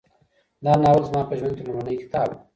دا ناول زما په ژوند کي لومړنی کتاب و.